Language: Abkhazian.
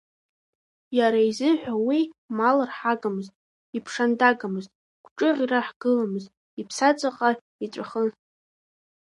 Иара изыҳәа уи мал рҳагамызт, иԥшандагамызт, гәҿыӷьра хҽыгамызт, иԥсаҵаҟа иҵәахын.